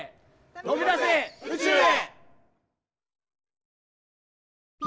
とびだせ宇宙へ。